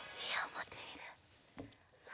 もってみる？